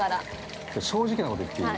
◆ただね、正直なこと言っていい？